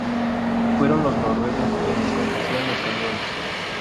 Fueron los noruegos quienes conducían los camiones.